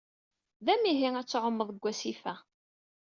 D amihi ad tɛumeḍ deg wasif-a.